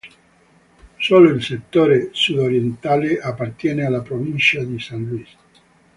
Solo il settore sudorientale appartiene alla Provincia di San Luis.